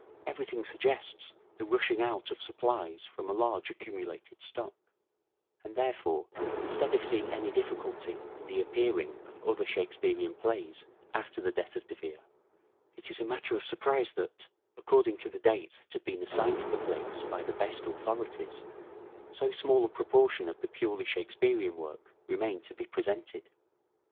Everything suggests the rushing out of supplies from a large accumulated stock ; and, therefore, instead of seeing any difficulty in the appearing of other FINAL OR SHAKESPEAREAN PERIOD 379 Shakespearean plays after the death of De Vere, it is a matter of surprise that, according to the dates that have been assigned to the plays by the best authorities, so small a proportion of the purely Shakespearean work remained to be presented.